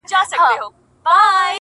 تر لمسیو کړوسیو مو بسیږي -